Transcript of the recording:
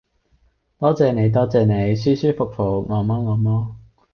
多謝你多謝你，舒服舒服，按摩按摩